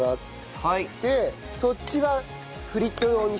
そっちはフリット用にしてください。